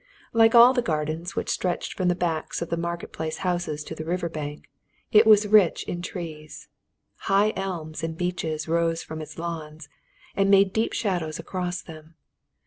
Like all the gardens which stretched from the backs of the Market Place houses to the river bank, it was rich in trees high elms and beeches rose from its lawns, and made deep shadows across them.